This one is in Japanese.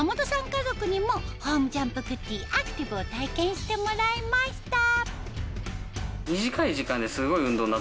家族にもホームジャンプグッデイアクティブを体験してもらいました